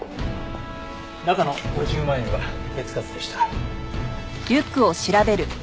中の５０万円は手つかずでした。